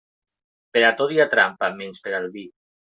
Per a tot hi ha trampa menys per al vi.